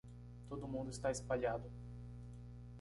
Todo mundo está espalhado